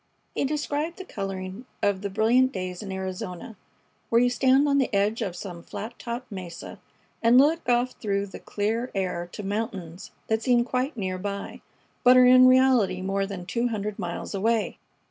He described the coloring of the brilliant days in Arizona, where you stand on the edge of some flat topped mesa and look off through the clear air to mountains that seem quite near by, but are in reality more than two hundred miles away.